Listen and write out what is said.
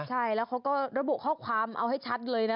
ใช่แล้วเขาก็ระบุข้อความเอาให้ชัดเลยนะ